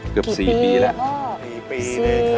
กี่ปีแล้ว